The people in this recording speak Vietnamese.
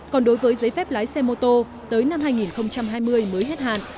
còn đối với giấy phép lái xe mô tô tới năm hai nghìn hai mươi mới hết hạn